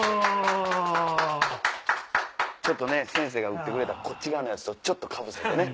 ちょっとね先生が打ってくれたこっち側のやつとかぶせてね。